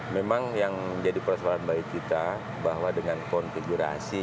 memang yang menjadi persoalan baik kita bahwa dengan konfigurasi